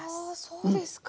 そうですか。